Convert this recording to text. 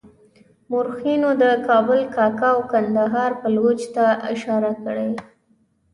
مورخینو د کابل کاکه او کندهار پایلوچ ته اشاره کړې.